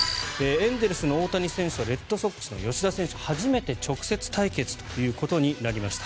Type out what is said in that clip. エンゼルスの大谷選手とレッドソックスの吉田選手が初めて直接対決ということになりました。